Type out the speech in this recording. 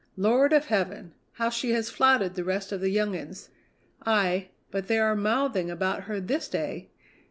Lord of heaven! how she has flouted the rest of the young uns! Aye, but they are mouthing about her this day!